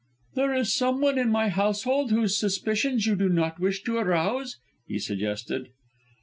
"There is someone in my household whose suspicions you do not wish to arouse?" he suggested.